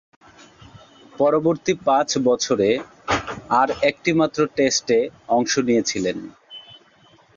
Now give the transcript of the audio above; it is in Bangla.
পরবর্তী পাঁচ বছরে আর একটিমাত্র টেস্টে অংশ নিয়েছিলেন।